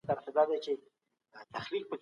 اخلاقي روزنه پکې ښکاره ده.